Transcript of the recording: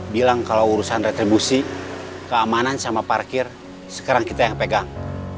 bilang kalau urusan retribusi keamanan sama parkir sekarang kita yang pegang